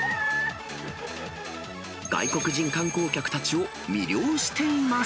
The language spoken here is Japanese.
外国人観光客たちを魅了しています。